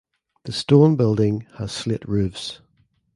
The stone building has slate roofs.